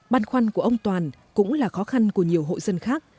băn khoăn của ông toàn cũng là khó khăn của nhiều hộ dân khác